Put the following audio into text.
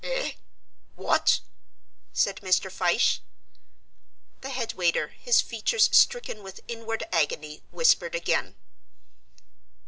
"Eh? what?" said Mr. Fyshe. The head waiter, his features stricken with inward agony, whispered again.